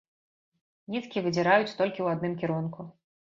Ніткі выдзіраюць толькі ў адным кірунку.